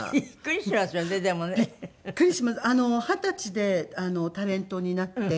二十歳でタレントになって。